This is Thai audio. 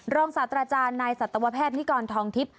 ศาสตราจารย์นายสัตวแพทย์นิกรทองทิพย